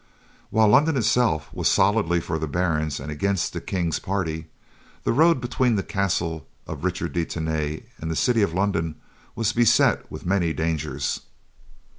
While London itself was solidly for the barons and against the King's party, the road between the castle of Richard de Tany and the city of London was beset with many dangers.